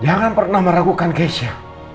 jangan pernah meragukan keisha